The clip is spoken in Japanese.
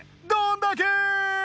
どんだけ！